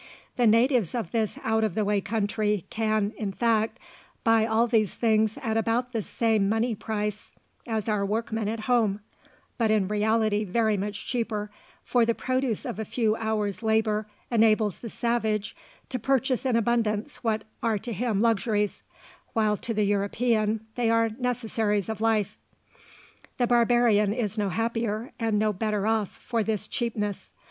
The natives of this out of the way country can, in fact, buy all these things at about the same money price as our workmen at home, but in reality very much cheaper, for the produce of a few hours' labour enables the savage to purchase in abundance what are to him luxuries, while to the European they are necessaries of life. The barbarian is no happier and no better off for this cheapness.